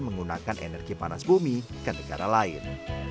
menggunakan energi panas bumi ke negara lain